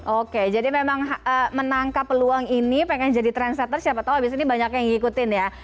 oke jadi memang menangkap peluang ini pengen jadi trendsetter siapa tau abis ini banyak yang ngikutin ya